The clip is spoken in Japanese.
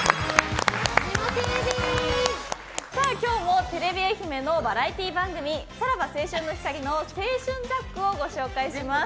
今日もテレビ愛媛のバラエティー番組「さらば青春の光の青春ジャック」をご紹介します。